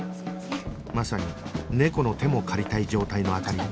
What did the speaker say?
まさに猫の手も借りたい状態の灯